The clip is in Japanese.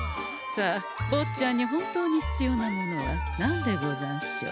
さあぼっちゃんに本当に必要なものは何でござんしょう？